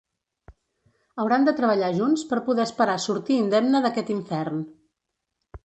Hauran de treballar junts per poder esperar sortir indemne d'aquest infern.